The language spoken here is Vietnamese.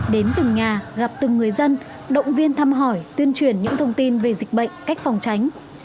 đến từng nhà gặp từng người dân động viên thăm hỏi tuyên truyền những thông tin về dịch bệnh cách phòng tránh